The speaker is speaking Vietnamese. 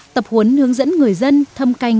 tập huấn hướng dẫn người dân thăm canh